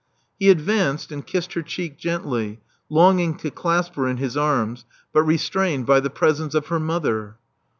He advanced and kissed her cheek gently, longing to clasp her in his arms, but restrained by the presence of her mother.